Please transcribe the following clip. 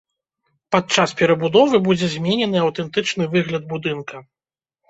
Падчас перабудовы будзе зменены аўтэнтычны выгляд будынка.